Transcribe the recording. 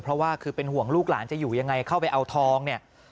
เพราะว่าคือเป็นห่วงลูกหลานจะอยู่ยังไงเข้าไปเอาทองเนี่ย